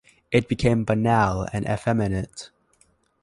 It became banal and effeminate.